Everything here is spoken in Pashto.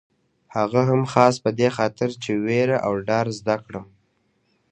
هغه هم خاص په دې خاطر چې وېره او ډار زده کړم.